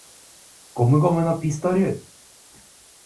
ゴムゴムのピストル!!!